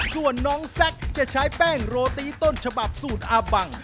ส่วนน้องแซคจะใช้แป้งโรตีต้นฉบับสูตรอาบัง